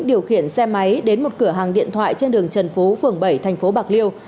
điều khiển xe máy đến một cửa hàng điện thoại trên đường trần phú phường bảy thành phố bạc liêu